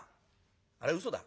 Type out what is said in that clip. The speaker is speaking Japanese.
あれはうそだ」。